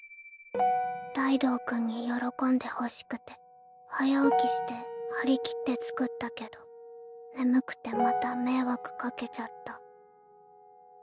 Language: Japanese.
ライドウ君に喜んでほしくて早起きして張り切って作ったけど眠くてまた迷惑かけちゃった。